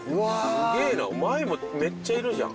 すげえな前もめっちゃいるじゃん